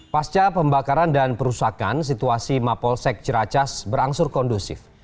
pasca pembakaran dan perusakan situasi mapolsek ciracas berangsur kondusif